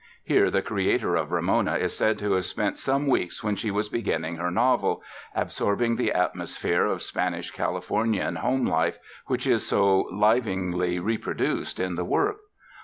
Here the creator of Ramona is said to have spent some weeks when she was beginning her novel, absorbing the atmosphere of Spanish Califor nian home life which is so livingly reproduced in the work.